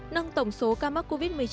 nâng tổng số ca mắc covid một mươi chín